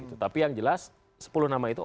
tetapi yang jelas sepuluh nama itu